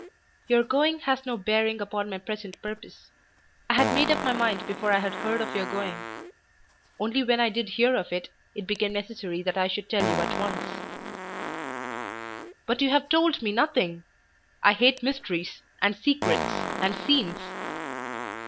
"Your going has no bearing upon my present purpose. I had made up my mind before I had heard of your going; only when I did hear of it it became necessary that I should tell you at once." "But you have told me nothing. I hate mysteries, and secrets, and scenes.